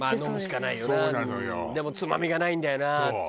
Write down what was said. でもつまみがないんだよなって。